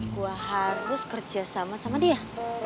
gue harus kerja sama sama dia